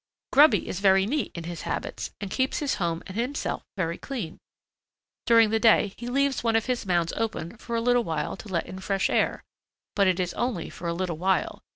"Grubby is very neat in his habits and keeps his home and himself very clean. During the day he leaves one of his mounds open for a little while to let in fresh air. But it is only for a little while.